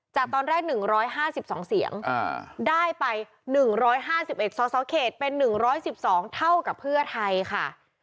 จากตอนแรก๑๕๒เสียงได้ไป๑๕๑สสเขตเป็น๑๑๒เท่ากับเพื่อไทยค่ะ